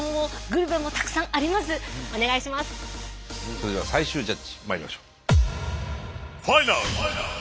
それでは最終ジャッジまいりましょう。